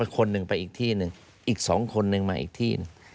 คนหนึ่งไปอีกที่หนึ่งอีก๒คนนึงมาอีกที่หนึ่ง